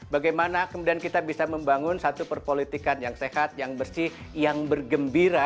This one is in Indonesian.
bagaimana kemudian kita bisa membangun satu perpolitikan yang sehat yang bersih yang bergembira